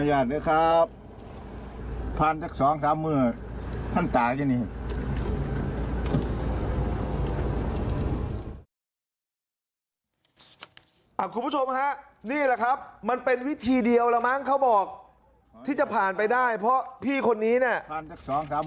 คุณผู้ชมฮะนี่แหละครับมันเป็นวิธีเดียวแล้วมั้งเขาบอกที่จะผ่านไปได้เพราะพี่คนนี้เนี่ย